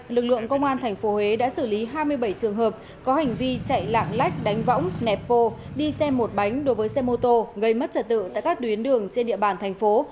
lực lượng công an tp huế đã xử lý hai mươi bảy trường hợp có hành vi chạy lạng lách đánh võng nẹp bô đi xem một bánh đối với xe mô tô gây mất trật tự tại các tuyến đường trên địa bàn thành phố